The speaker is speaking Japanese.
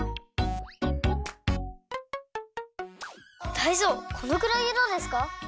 タイゾウこのくらいでどうですか？